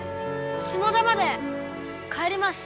下田まで帰ります。